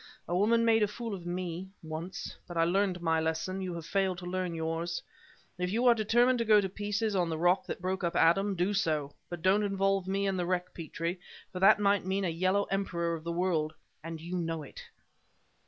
A woman made a fool of me, once; but I learned my lesson; you have failed to learn yours. If you are determined to go to pieces on the rock that broke up Adam, do so! But don't involve me in the wreck, Petrie for that might mean a yellow emperor of the world, and you know it!"